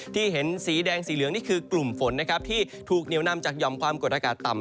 เห็นสีแดงสีเหลืองนี่คือกลุ่มฝนนะครับที่ถูกเหนียวนำจากหอมความกดอากาศต่ำ